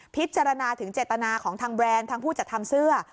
พิจารณาถึงเจตนาของทางแบรนด์ทางผู้จัดทำเสื้อ